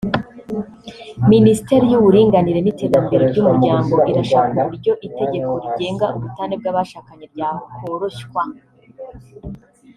Minisiteri y’uburinganire n’iterambere ry’umuryango irashaka uburyo itegeko rigenga ubutane bw’abashakanye ryakoroshywa